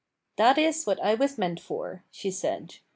"That is what I was meant for," she said.